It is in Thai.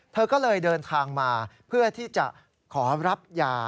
เธอก็เลยเดินทางมาเพื่อที่จะขอรับยา